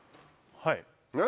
はい。